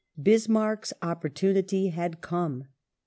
Bismarck's opportunity had come.